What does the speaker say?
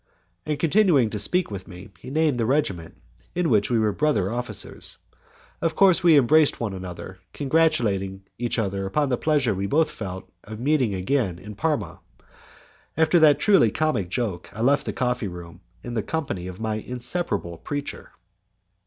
And, continuing to speak to me, he named the regiment in which we were brother officers. Of course we embraced one another, congratulating each other upon the pleasure we both felt in meeting again in Parma. After that truly comic joke I left the coffee room in the company of my inseparable preacher.